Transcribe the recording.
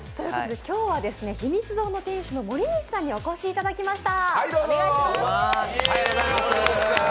今日はひみつ堂の店主の森西さんにお越しいただきました。